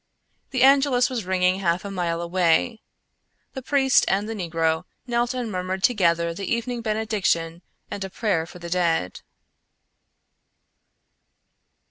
The angelus was ringing half a mile away. The priest and the negro knelt and murmured together the evening benediction and a prayer for the dead.